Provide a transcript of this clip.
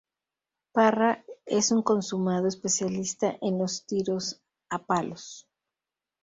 Parra es un consumado especialista en los tiros a palos.